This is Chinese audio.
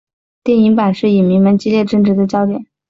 电影版是影迷们激烈争执的焦点。